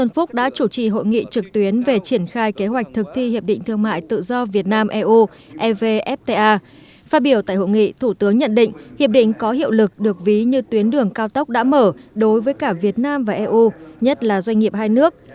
phát biểu tại hội nghị thủ tướng nhận định hiệp định có hiệu lực được ví như tuyến đường cao tốc đã mở đối với cả việt nam và eu nhất là doanh nghiệp hai nước